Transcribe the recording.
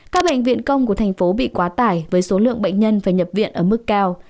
các bệnh viện công của thành phố bị quá tải với số lượng bệnh nhân phải nhập viện ở mức cao